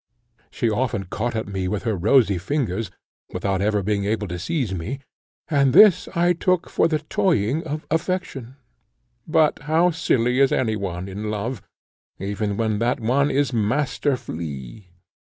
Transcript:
She often caught at me with her rosy fingers, without ever being able to seize me, and this I took for the toying of affection. But how silly is any one in love, even when that one is Master Flea.